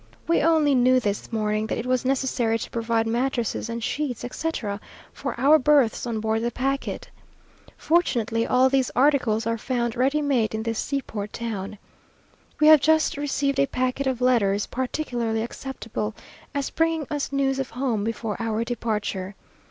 We only knew this morning that it was necessary to provide mattresses and sheets, etc., for our berths on board the packet. Fortunately, all these articles are found ready made in this seaport town. We have just received a packet of letters, particularly acceptable as bringing us news of home before our departure.